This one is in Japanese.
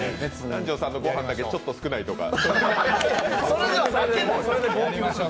南條さんの御飯だけちょっいと少ないとか。